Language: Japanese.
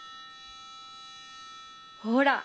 ほら。